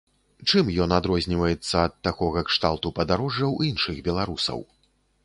Чым ён адрозніваецца ад такога кшталту падарожжаў іншых беларусаў?